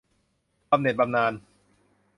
บำเหน็จบำนาญ